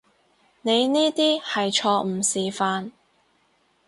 你呢啲係錯誤示範